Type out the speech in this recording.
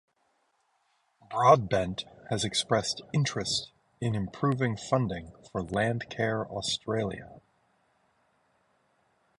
Broadbent has expressed interest in improving funding for Landcare Australia.